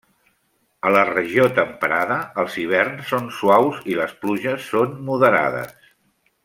A la regió temperada, els hiverns són suaus i les pluges són moderades.